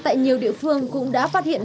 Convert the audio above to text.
tại nhiều địa phương cũng đã phát hiện